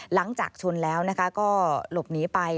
หลังจากชนแล้วก็หลบหนีไป